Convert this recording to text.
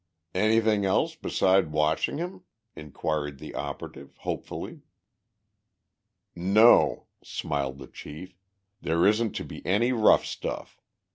"Anything else beside watching him?" inquired the operative, hopefully. "No," smiled the chief, "there isn't to be any rough stuff.